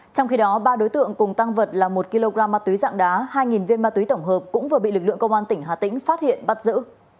trong khi đó ba đối tượng cùng tăng vật là một kg ma túy dạng đá hai viên ma túy tổng hợp cũng vừa bị lực lượng công an tỉnh hà tĩnh phát hiện bắt giữ